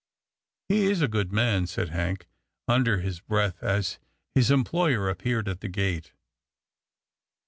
" He is a good man," said Hank under his breath, as his employer appeared at the gate.